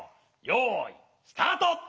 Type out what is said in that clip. よいスタート！